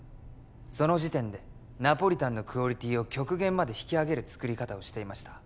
その時点でナポリタンのクオリティーを極限まで引き上げる作り方をしていました